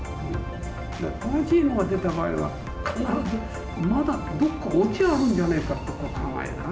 正しいのが出た場合は、必ずまだどっかオチがあるんじゃないかって考えるんだよな。